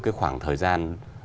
cái khoảng thời gian